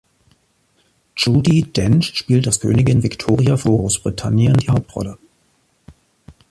Judi Dench spielte als Königin Victoria von Großbritannien die Hauptrolle.